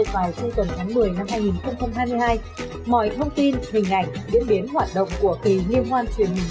vào tuần tháng một mươi năm hai nghìn hai mươi hai mọi thông tin hình ảnh biến biến hoạt động của kỳ liên hoan truyền hình